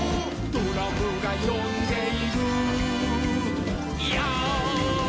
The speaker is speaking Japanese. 「ドラムがよんでいるヨー！」